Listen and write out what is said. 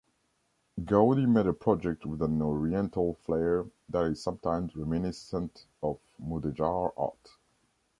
Gaudi made a project with an oriental flare that is sometimes reminiscent of Mudejar art.